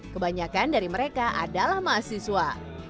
kebanyakan dari mereka adalah mahasiswa